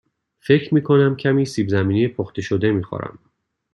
فکر می کنم کمی سیب زمینی پخته شده می خورم.